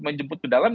menjemput ke dalam